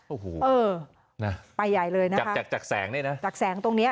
โอ้โหเออนะไปใหญ่เลยนะจากจากแสงเนี่ยนะจากแสงตรงเนี้ย